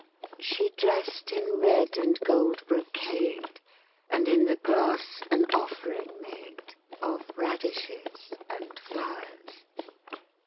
She dressed in red and gold brocade And in the grass an offering made Of radishes and flowers.